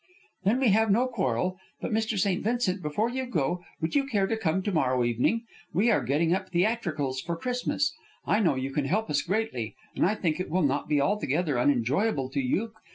"Then we have no quarrel. But Mr. St. Vincent, before you go, would you care to come to morrow evening? We are getting up theatricals for Christmas. I know you can help us greatly, and I think it will not be altogether unenjoyable to you.